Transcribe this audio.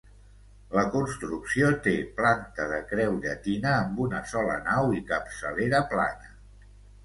La construcció té planta de creu llatina amb una sola nau i capçalera plana.